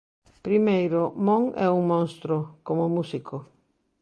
Primeiro, Mon é un monstro, como músico.